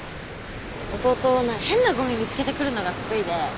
弟変なゴミ見つけてくるのが得意で。